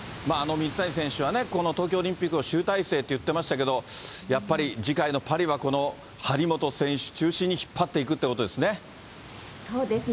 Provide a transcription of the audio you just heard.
水谷選手はこの東京オリンピックを集大成って言っていましたけど、やっぱり次回のパリは、この張本選手中心に引っ張っていくということですね。